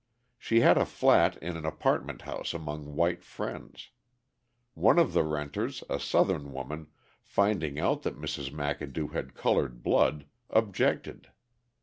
She had a flat in an apartment house among white friends. One of the renters, a Southern woman, finding out that Mrs. McAdoo had coloured blood, objected.